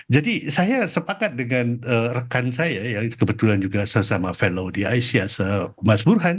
jadi saya sepakat dengan rekan saya kebetulan juga sesama fellow di aisyah mas burhan